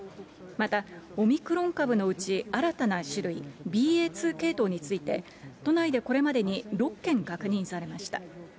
また、オミクロン株のうち、新たな種類、ＢＡ２系統について、都内でこれまでに６件確認されました。